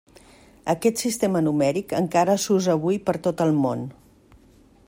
Aquest sistema numèric encara s'usa avui per tot el món.